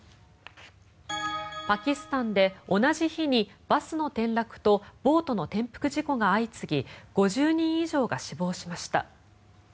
パキスタンで同じ日にバスの転落とボートの転覆事故が相次ぎ５０人以上が死亡しました。